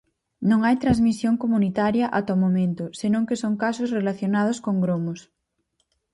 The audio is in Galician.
Non hai transmisión comunitaria ata o momento, senón que son casos relacionados con gromos.